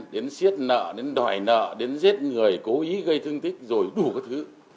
đến xiết nợ đến đòi nợ đến giết người cố ý gây thương tích rồi đủ các thứ